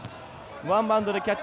ワンバウンドでキャッチ。